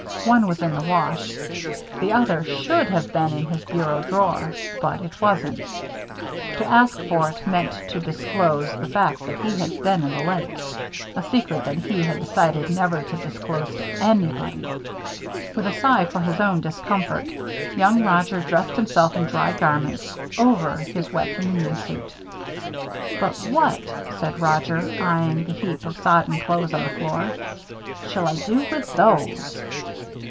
One was in the wash. The other should have been in his bureau drawer but it wasn't. To ask for it meant to disclose the fact that he had been in the lake a secret that he had decided never to disclose to anybody. With a sigh for his own discomfort, young Roger dressed himself in dry garments, over his wet union suit. "But what," said Roger, eying the heap of sodden clothing on the floor, "shall I do with those?"